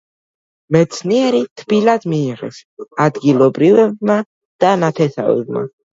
მეცნიერი თბილად მიიღეს ადგილობრივებმა და ნათესავებმა.